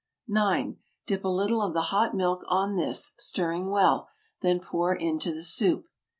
9. Dip a little of the hot milk on this, stirring well, then pour into the soup.